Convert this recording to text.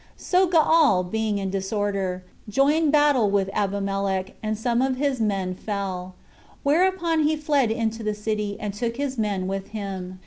So Gaal, being in disorder, joined battle with Abimelech, and some of his men fell; whereupon he fled into the city, and took his men with him.